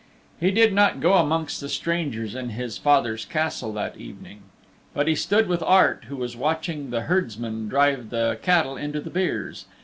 He did not go amongst the strangers in his father's Castle that evening; but he stood with Art who was watching the herdsmen drive the cattle into the byres.